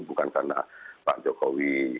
bukan karena pak jokowi